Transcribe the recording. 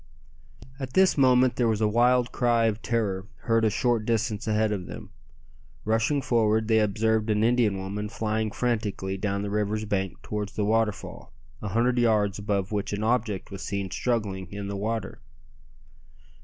At this moment there was a wild cry of terror heard a short distance ahead of them. Rushing forward they observed an Indian woman flying frantically down the river's bank towards the waterfall, a hundred yards above which an object was seen struggling in the water.